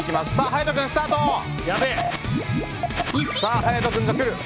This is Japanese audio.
勇人君が来る。